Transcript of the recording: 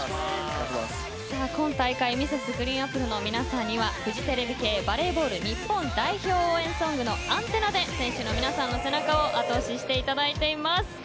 今大会、Ｍｒｓ．ＧＲＥＥＮＡＰＰＬＥの皆さんにはフジテレビ系バレーボール日本代表応援ソングの「ＡＮＴＥＮＮＡ」で選手の皆さんの背中をあと押ししていただいています。